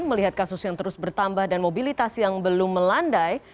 melihat kasus yang terus bertambah dan mobilitas yang belum melandai